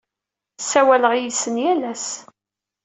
Ssawaleɣ yid-sen yal ass.